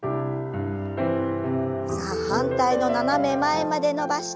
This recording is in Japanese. さあ反対の斜め前まで伸ばして戻します。